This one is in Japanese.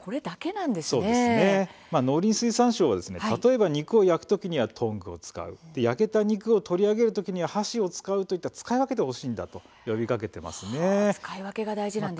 農林水産省は例えば肉を焼く時はトングを使う、焼けた肉を取り上げる時には箸を使うといった使い分けを行ってほしいと呼びかけているんです。